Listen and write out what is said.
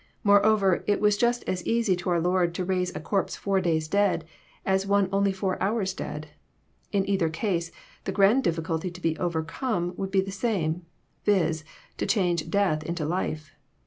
Moreover, it was just as easy to our Lord to raise a corpse four days dead, as one only four hours dead. In either case, the grand difficulty to be overcome would be the same : viz., to change death into life.